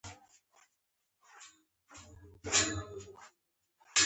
د اجباري پورونو سیستم یې رامنځته کړ.